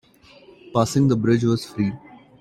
Passing the bridge was free.